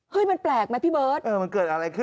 เฮ้ยมันแปลกไหมพี่เบิร์ต